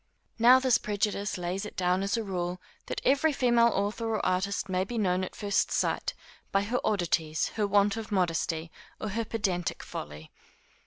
Now this prejudice lays it down as a rule, that every female author or artist may be known at first sight, by her oddities, her want of modesty, or her pedantic folly.